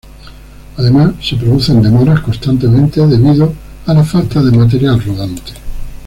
Además, se producen demoras constantemente, debido a la falta de material rodante.